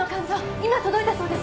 今届いたそうです。